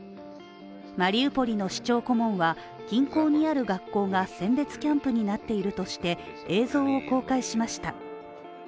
マリウポリの市長顧問は、近郊にある学校が、選別キャンプになっているとして映像を公開しました。